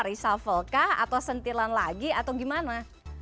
risafalkah atau sentilan lagi atau gimana